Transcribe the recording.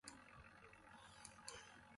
مُلوئت گݜ گݜ ٹِکیْ کِھیاؤ۔